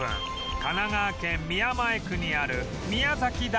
神奈川県宮前区にある宮崎台駅